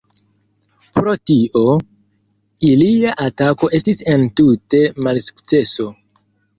Pro tio, ilia atako estis entute malsukceso.